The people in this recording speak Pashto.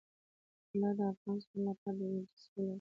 طلا د افغان ځوانانو لپاره دلچسپي لري.